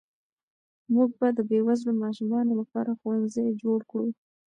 موږ به د بې وزلو ماشومانو لپاره ښوونځي جوړ کړو.